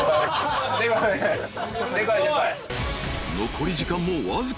［残り時間もわずか］